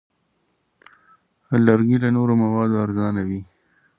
لرګی له نورو موادو ارزانه وي.